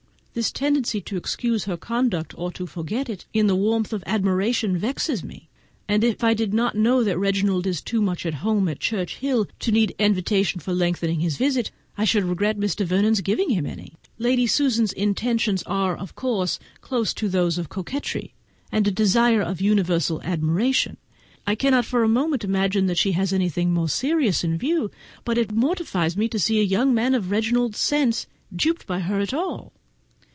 This tendency to excuse her conduct or to forget it, in the warmth of admiration, vexes me; and if I did not know that Reginald is too much at home at Churchhill to need an invitation for lengthening his visit, I should regret Mr. Vernon's giving him any. Lady Susan's intentions are of course those of absolute coquetry, or a desire of universal admiration; I cannot for a moment imagine that she has anything more serious in view; but it mortifies me to see a young man of Reginald's sense duped by her at all.